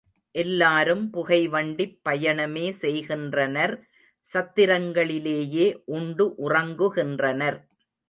எல்லாரும் புகைவண்டிப் பயணமே செய்கின்றனர் சத்திரங்களிலேயே உண்டு உறங்குகின்றனர்.